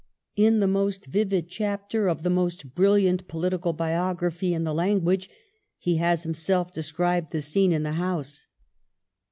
In the most vivid chapter of the most brilliant political biography in the language he has himself described the scene in the House.